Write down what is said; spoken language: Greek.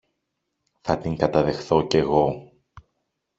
θα την καταδεχθώ κι εγώ.